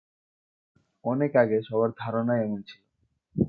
অনেক আগে সবার ধারণাই এমন ছিল।